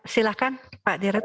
silakan pak dirit